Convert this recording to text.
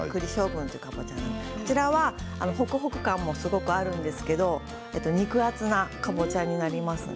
こちらは、ほくほく感もすごくあるんですけど肉厚なかぼちゃになりますね。